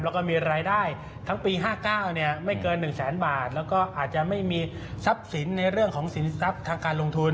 แล้วก็มีรายได้ทั้งปี๕๙ไม่เกิน๑แสนบาทแล้วก็อาจจะไม่มีทรัพย์สินในเรื่องของสินทรัพย์ทางการลงทุน